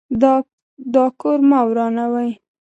دا کور مه ورانوئ.